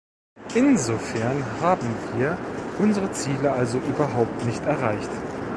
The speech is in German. Insofern haben wir unsere Ziele also überhaupt nicht erreicht.